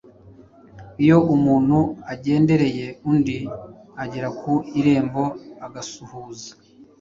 Iyo umuntu agendereye undi, agera ku irembo agasuhuza.